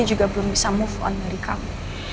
saya juga belum bisa move on dari kamu